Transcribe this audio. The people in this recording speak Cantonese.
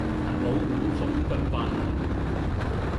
陳老五送進飯來，